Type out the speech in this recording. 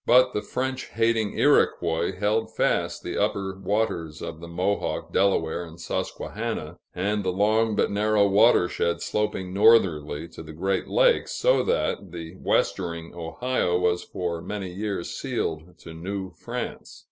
But the French hating Iroquois held fast the upper waters of the Mohawk, Delaware, and Susquehanna, and the long but narrow watershed sloping northerly to the Great Lakes, so that the westering Ohio was for many years sealed to New France.